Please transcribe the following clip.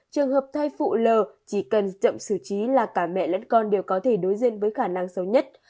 trường hợp thai phụ lờ chỉ cần chậm xử trí là cả mẹ lẫn con đều có thể đối diện với khả năng xấu nhất